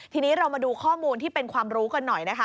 ทีนี้เรามาดูข้อมูลที่เป็นความรู้กันหน่อยนะคะ